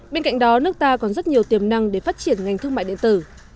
bên cạnh đó nước ta còn rất nhiều tiềm năng để phát triển ngành thương mại điện tử